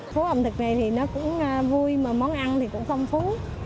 phố ẩm thực này thì nó cũng vui mà món ăn thì cũng phong phú